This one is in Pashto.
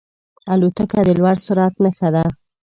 الوتکه د لوړ سرعت نښه ده.